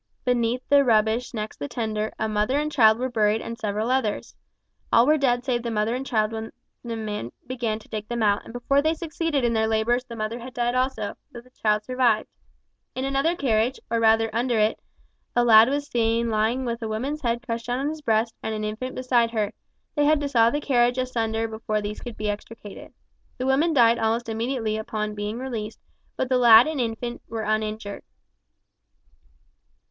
Beneath the rubbish next the tender, a mother and child were buried and several others. All were dead save the mother and child when the men began to dig them out and before they succeeded in their labours the mother had died also, but the child survived. In another carriage, or rather under it, a lad was seen lying with a woman's head crushed down on his breast and an infant beside her. They had to saw the carriage asunder before these could be extricated. The woman died almost immediately on being released, but the lad and infant were uninjured.